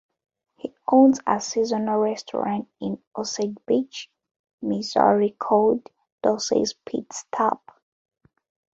He owns a seasonal restaurant in Osage Beach, Missouri called "Dorsey's Pit Stop".